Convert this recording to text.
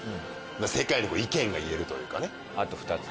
世界に意見が言えるというかね。